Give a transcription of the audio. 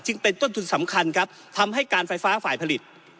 จึงเป็นต้นทุนสำคัญครับทำให้การไฟฟ้าฝ่ายผลิต